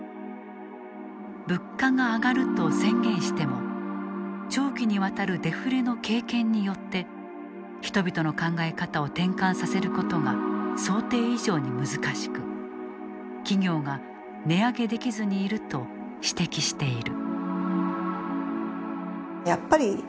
物価が上がると宣言しても長期にわたるデフレの経験によって人々の考え方を転換させることが想定以上に難しく企業が値上げできずにいると指摘している。